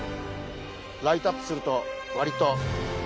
ライトアップすると割と。